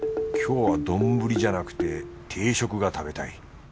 今日は丼じゃなくて定食が食べたい。